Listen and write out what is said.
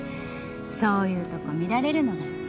そういうとこ見られるのが